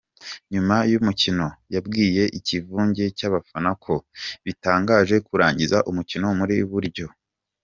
Nyuma y'umukino, yabwiye ikivunge cy'abafana ko "bitangaje" kurangiza umukino muri ubwo buryo.